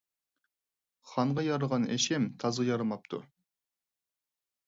خانغا يارىغان ئېشىم تازغا يارىماپتۇ.